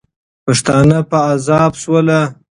پښتانه په عذاب سول.